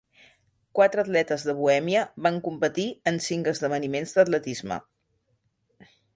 Quatre atletes de Bohèmia van competir en cinc esdeveniments d'atletisme.